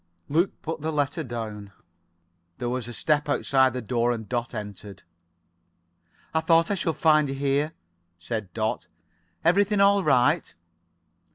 Luke put the letter down. There was a step outside the door and Dot entered. "Thought I should find you here," said Dot. "Everything all right?"